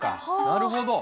なるほど。